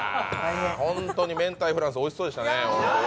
ホントにめんたいフランス、おいしそうでしたね。